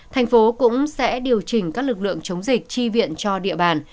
tp hcm cũng sẽ điều chỉnh các lực lượng chống dịch tri viện cho địa bàn